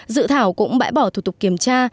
dự thảo cũng bãi bỏ thủ tục kiểm tra